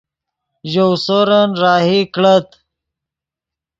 ژؤ سورن راہی کڑت